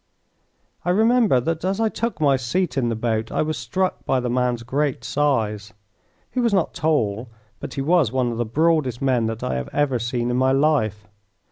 I remember that as I took my seat in the boat I was struck by the man's great size. He was not tall, but he was one of the broadest men that I have ever seen in my life.